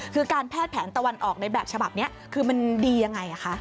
คือการแพทย์แผนตะวันออกในแบบฉบับนี้คือมันดียังไงคะ